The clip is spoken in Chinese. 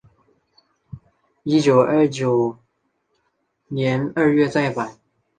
一九二九年二月再版。